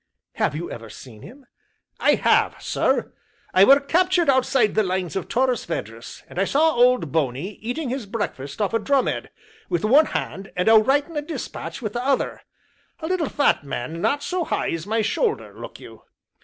"Have you ever seen him?" "I have, sir; I were captured outside the Lines of Torres Vedras, and I saw Old Bony eating his breakfast off a drum head wi' one hand and a writing a dispatch wi' the other a little fat man not so high as my shoulder, look you.